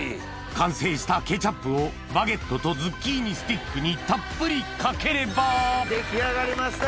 完成したケチャップをバゲットとズッキーニスティックにたっぷりかければ出来上がりました！